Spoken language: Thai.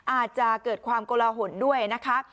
อาจจะเกิดความโกลหนด้วยนะคะ